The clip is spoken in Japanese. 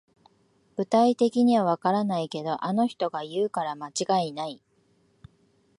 具体的にはわからないけど、あの人が言うから間違いない